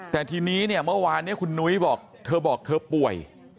แต่ทีนี้เนี่ยเมื่อวานเนี่ยคุณนุ้ยบอกเธอบอกเธอป่วย